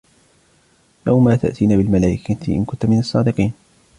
لَوْ مَا تَأْتِينَا بِالْمَلَائِكَةِ إِنْ كُنْتَ مِنَ الصَّادِقِينَ